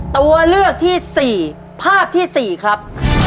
ตัวเลือกที่๔ภาพที่๔ครับ